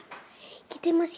kita mesti hati hati ngadepin dia